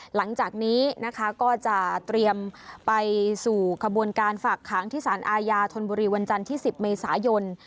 หลังจากนี้นะคะก็จะเตรียมไปสู่ขบวนการฝากขังที่สารอาญาธนบุรีวันจันทร์ที่๑๐เมษายน